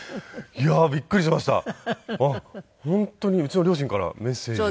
本当にうちの両親からメッセージ。